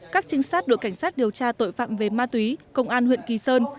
các trinh sát đội cảnh sát điều tra tội phạm về ma túy công an huyện kỳ sơn